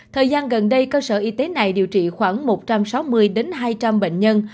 thời gian gần đây cơ sở y tế này điều trị khoảng một trăm sáu mươi hai trăm linh bệnh nhân